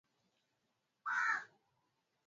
tunaopaswa kufahamu kuhusu madhara ya malaria